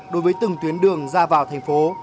đối với từng tuyến đường ra vào thành phố